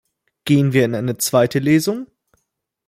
Gehen wir in eine zweite Lesung?